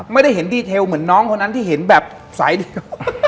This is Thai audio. ไม่ได้เห็นดีเทลเหมือนน้องคนนั้นที่เห็นแบบสายเดียว